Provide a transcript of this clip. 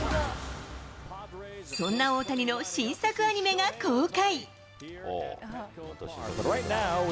そんな大谷の新作アニメが公開。